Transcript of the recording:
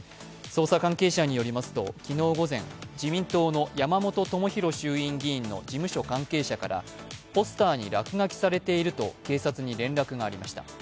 捜査関係者によりますと、昨日午前自民党の山本朋広衆院議員の事務所関係者からポスターに落書きされていると警察に連絡がありました。